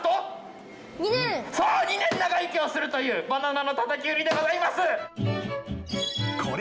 そう２年長生きをするというバナナのたたき売りでございます！